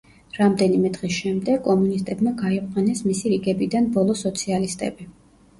რამდენიმე დღის შემდეგ, კომუნისტებმა გაიყვანეს მისი რიგებიდან ბოლო სოციალისტები.